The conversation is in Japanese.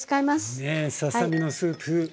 ねえささ身のスープ。